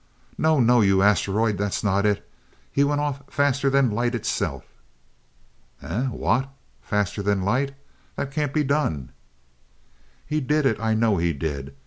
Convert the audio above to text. "No, no, you asteroid that's not it. He went off faster than light itself!" "Eh what? Faster than light? That can't be done " "He did it, I know he did.